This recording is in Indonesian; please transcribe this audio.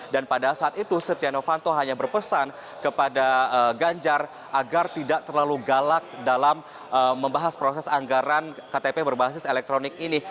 pada saat itu setia novanto hanya berpesan kepada ganjar agar tidak terlalu galak dalam membahas proses anggaran ktp berbasis elektronik ini